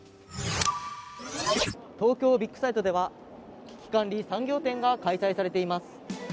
東京ビッグサイトでは危機管理産業展が開催されています。